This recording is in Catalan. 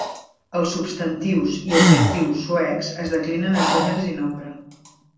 Els substantius i adjectius suecs es declinen en gèneres i nombre.